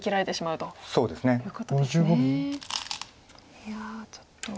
いやちょっと。